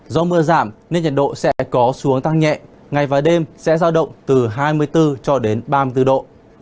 do mưa giảm nên nhiệt độ sẽ có xuống tăng nhẹ ngày và đêm sẽ giao động từ hai mươi bốn cho đến ba mươi bốn độ